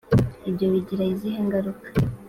Ibyo bigira izihe ngaruka